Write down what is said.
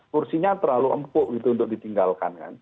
kursinya terlalu empuk gitu untuk ditinggalkan kan